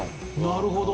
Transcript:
なるほど。